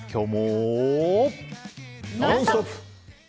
「ノンストップ！」。